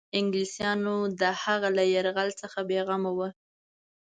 انګلیسیانو د هغه له یرغل څخه بېغمه وه.